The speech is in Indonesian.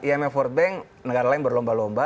imf world bank negara lain berlomba lomba